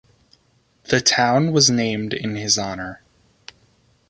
The town was named in his honor.